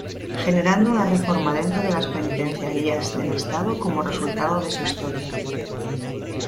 Generando una reforma dentro de las penitenciarias del estado como resultado de su historia.